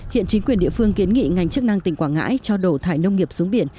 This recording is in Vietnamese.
hiện chính quyền địa phương kiến nghị ngành chức năng tỉnh quảng ngãi cho đổ thải nông nghiệp xuống biển